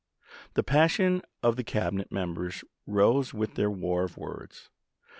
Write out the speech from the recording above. The passion of the Cab inet members rose with their war of words.